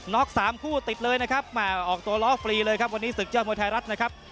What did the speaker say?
็อก๓คู่ติดเลยนะครับออกตัวล้อฟรีเลยครับวันนี้ศึกยอดมวยไทยรัฐนะครับ